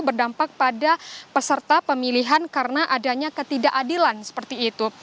berdampak pada peserta pemilihan karena adanya ketidakadilan seperti itu